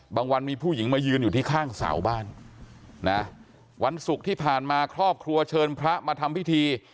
วันมีผู้หญิงมายืนอยู่ที่ข้างเสาบ้านนะวันศุกร์ที่ผ่านมาครอบครัวเชิญพระมาทำพิธี